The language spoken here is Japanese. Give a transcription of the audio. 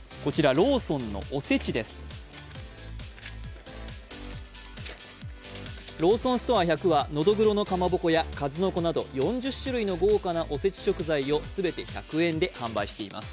ローソンストア１００はのどぐろのかまぼこや数の子など４０種類の豪華なおせち食材を全て１００円で販売しています。